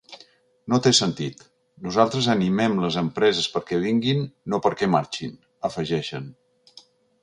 No té sentit: nosaltres animem les empreses perquè vinguin, no perquè marxin, afegeixen.